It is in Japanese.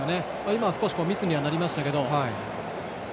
今、少しミスになりましたけど。